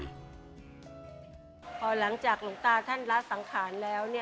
พอหลังจากหลวงตาท่านละสังขารแล้ว